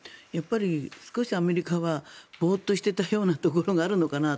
少しアメリカはボーッとしていたようなところがあるのかなと。